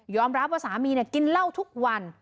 รับว่าสามีกินเหล้าทุกวัน